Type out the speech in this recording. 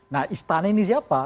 nah istana ini siapa